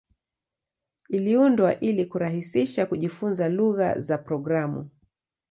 Iliundwa ili kurahisisha kujifunza lugha za programu.